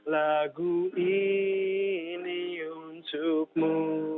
lagu ini untukmu